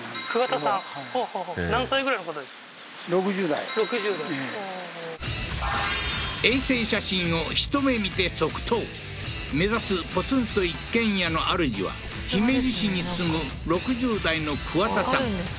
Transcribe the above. ６０代はあー衛星写真をひと目見て即答目指すポツンと一軒家のあるじは姫路市に住む６０代のクワタさん